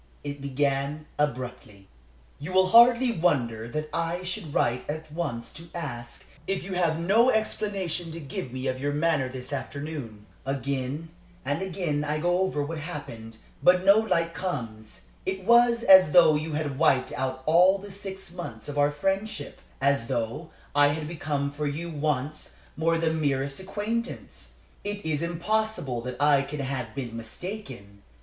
It began abruptly: "You will hardly wonder that I should write at once to ask if you have no explanation to give me of your manner of this afternoon. Again and again I go over what happened, but no light comes. It was as though you had wiped out all the six months of our friendship; as though I had become for you once more the merest acquaintance. It is impossible that I can have been mistaken.